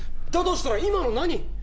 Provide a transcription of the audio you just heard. だとしたら今の何？